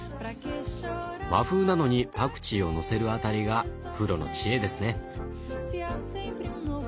和風なのにパクチーをのせるあたりがプロの知恵ですね。